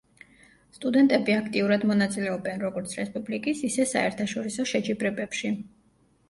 სტუდენტები აქტიურად მონაწილეობენ როგორც რესპუბლიკის, ისე საერთაშორისო შეჯიბრებებში.